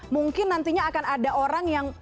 mungkin nantinya akan ada orang yang